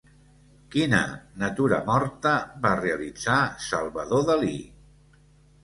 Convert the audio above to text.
Quina natura morta va realitzar Salvador Dalí?